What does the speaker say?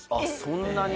そんなに？